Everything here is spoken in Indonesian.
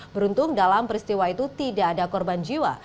beruntung dalam peristiwa itu tidak ada korban jiwa